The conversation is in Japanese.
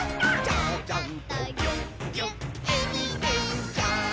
「ちゃちゃんとぎゅっぎゅっえびてんちゃん」